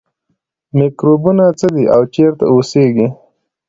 میکروبونه څه دي او چیرته اوسیږي